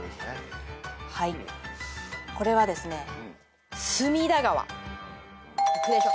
これはですね。